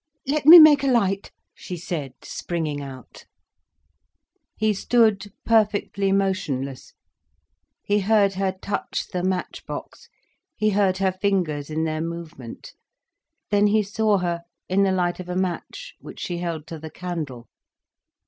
"Let me make a light," she said, springing out. He stood perfectly motionless. He heard her touch the match box, he heard her fingers in their movement. Then he saw her in the light of a match, which she held to the candle.